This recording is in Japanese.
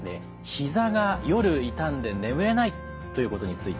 ひざが夜痛んで眠れないということについて。